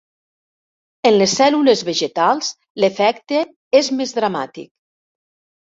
En les cèl·lules vegetals l'efecte és més dramàtic.